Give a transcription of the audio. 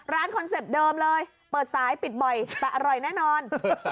คอนเซ็ปต์เดิมเลยเปิดสายปิดบ่อยแต่อร่อยแน่นอน